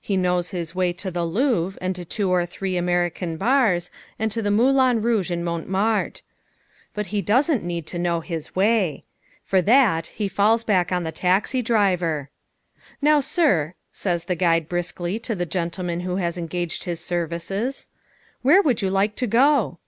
He knows his way to the Louvre and to two or three American bars and to the Moulin Rouge in Montmartre. But he doesn't need to know his way. For that he falls back on the taxi driver. "Now, sir," says the guide briskly to the gentleman who has engaged his services, "where would you like to go?"